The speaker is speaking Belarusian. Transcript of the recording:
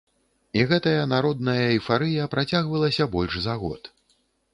І гэтая народная эйфарыя працягвалася больш за год.